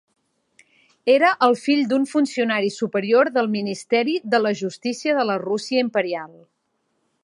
Era el fill d'un funcionari superior del Ministeri de la Justícia de la Rússia Imperial.